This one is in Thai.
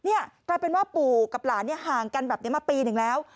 นี่กลายเป็นว่าปู่กับหลานเนี่ยห่างกันแบบนี้มาปีหนึ่งแล้ว